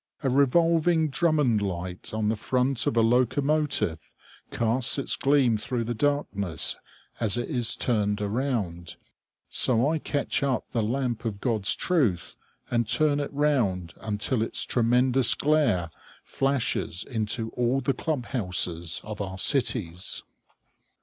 A revolving Drummond light on the front of a locomotive casts its gleam through the darkness as it is turned around; so I catch up the lamp of God's truth and turn it round until its tremendous glare flashes into all the club houses of our cities.